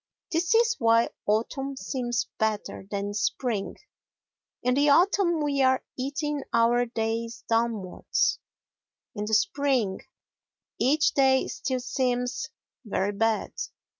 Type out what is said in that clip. This is why autumn seems better than spring: in the autumn we are eating our days downwards, in the spring each day still seems "Very bad."